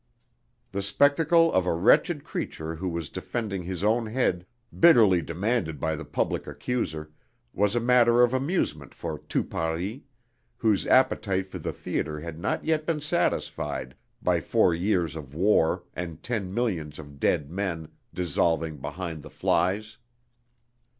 The spectacle of a wretched creature who was defending his own head, bitterly demanded by the public accuser, was a matter of amusement for Tout Paris, whose appetite for the theatre had not yet been satisfied by four years of war and ten millions of dead men dissolving behind the flies.